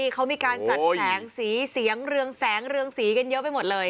เขามีการจัดแสงสีเสียงเรืองแสงเรืองสีกันเยอะไปหมดเลย